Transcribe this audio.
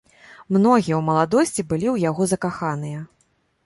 Многія ў маладосці былі ў яго закаханыя.